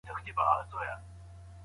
د سلیم فطرت غوښتنه هم همدا انصاف دی.